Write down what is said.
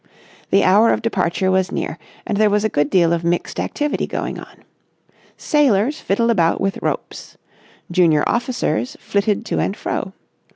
The hour of departure was near, and there was a good deal of mixed activity going on. Sailors fiddled about with ropes. Junior officers flitted to and fro.